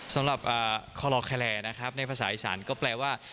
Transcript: สำหรับคอลอแคแลนะครับในภาษาอีสานก็แปลว่า